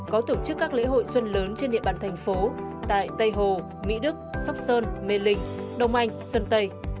có tổ chức các lễ hội xuân lớn trên địa bàn thành phố tại tây hồ mỹ đức sóc sơn mê linh đông anh sơn tây